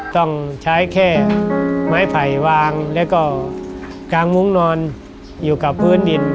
ต้องใช้แค่ไม้ไผ่วางแล้วก็กางมุ้งนอนอยู่กับพื้นดิน